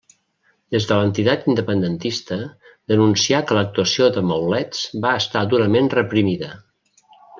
Des de l'entitat independentista denuncià que l'actuació de Maulets va estar durament reprimida.